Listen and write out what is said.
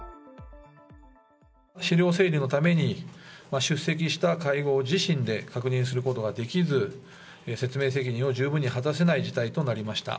資料整理のために、出席した会合を自身で確認することができず、説明責任を十分に果たせない事態となりました。